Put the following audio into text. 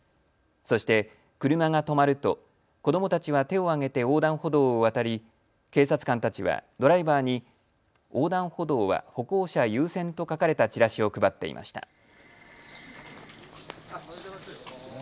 そして、車が止まると子どもたちは手を上げて横断歩道を渡り警察官たちは、ドライバーに横断歩道は歩行者優先と書かれたチラシを配っていました。